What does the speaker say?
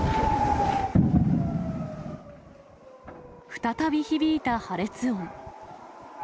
再び響いた破裂音。